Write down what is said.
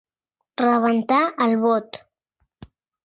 Rebentar el bot.